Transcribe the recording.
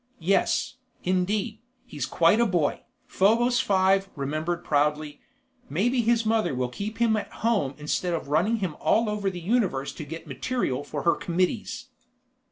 Yes, indeed, he's quite a boy, Probos Five remembered proudly; maybe his mother will keep him at home instead of running him all over the universe to get material for her committees.